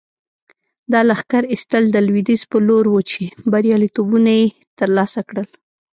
دا لښکر ایستل د لویدیځ په لور وو چې بریالیتوبونه یې ترلاسه کړل.